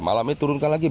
malam ini turunkan lagi